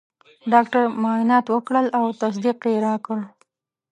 ډاکټر معاینات وکړل او تصدیق یې راکړ.